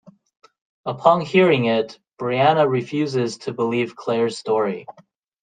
Upon hearing it, Brianna refuses to believe Claire's story.